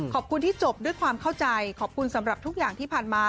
ขอบคุณที่จบด้วยความเข้าใจขอบคุณสำหรับทุกอย่างที่ผ่านมา